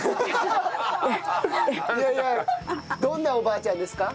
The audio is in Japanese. どんなおばあちゃんですか？